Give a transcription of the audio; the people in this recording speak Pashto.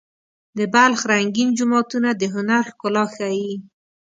د بلخ رنګین جوماتونه د هنر ښکلا ښيي.